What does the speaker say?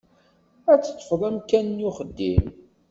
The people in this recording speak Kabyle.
Ad teṭṭfeḍ amkan-nni uxeddim?